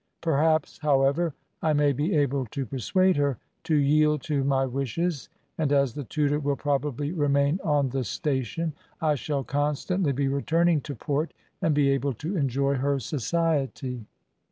Perhaps, however, I may be able to persuade her to yield to my wishes, and as the Tudor will probably remain on the station, I shall constantly be returning to port and be able to enjoy her society.